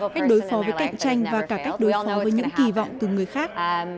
cách đối phó với cạnh tranh và cả cách đối phó với những kỳ vọng từ người khác